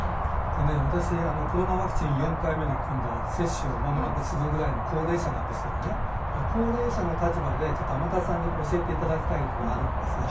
私、コロナワクチン４回目の接種を間もなくするぐらいの高齢者なんですけど高齢者の立場で、天達さんに教えていただきたいことがあるんです。